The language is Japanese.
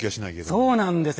そうなんですよ。